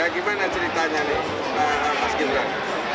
gimana ceritanya nih mas gibran